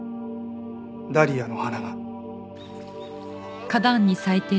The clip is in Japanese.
ダリアの花が。